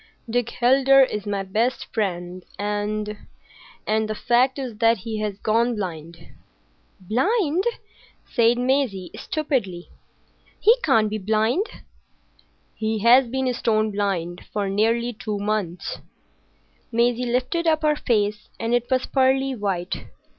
Dick Heldar is my best friend, and—and—the fact is that he has gone blind." "Blind!" said Maisie, stupidly. "He can't be blind." "He has been stone blind for nearly two months." Maisie lifted up her face, and it was pearly white.